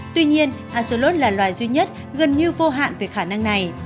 tuy nhiên asolot là loài duy nhất gần như vô hạn về khả năng này